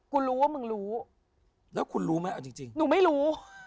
รู้ว่ามึงรู้แล้วคุณรู้ไหมเอาจริงหนูไม่รู้